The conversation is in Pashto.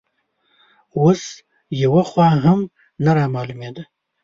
اوس یوه خوا هم نه رامالومېده